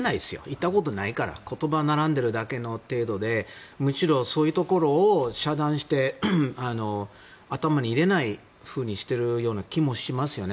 行ったことないから言葉が並んでいるだけの程度でむしろそういうところを遮断して頭に入れないようにしている気もします。